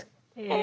え。